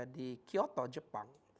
di kyoto jepang